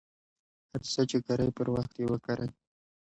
هر څه ،چې کرئ پر وخت یې وکرئ.